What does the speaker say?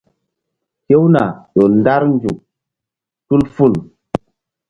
Hewna ƴo ndar nzuk tul ful.